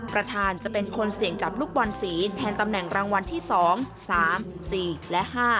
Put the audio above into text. ประธานจะเป็นคนเสี่ยงจับลูกบอลสีแทนตำแหน่งรางวัลที่๒๓๔และ๕